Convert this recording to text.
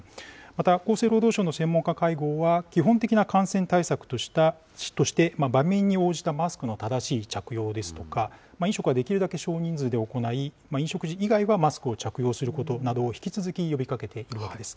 また、厚生労働省の専門家会合は、基本的な感染対策として、場面に応じたマスクの正しい着用ですとか、飲食はできるだけ少人数で行い、飲食時以外はマスクを着用することなどを引き続き、呼びかけているわけです。